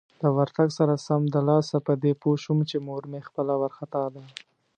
د ورتګ سره سمدلاسه په دې پوه شوم چې مور مې خپله وارخطا ده.